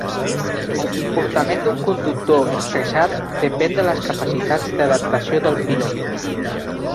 El comportament d'un conductor estressat depèn de les capacitats d'adaptació del pilot.